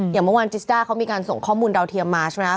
อย่างเมื่อวานจิสด้าเขามีการส่งข้อมูลดาวเทียมมาใช่ไหมครับ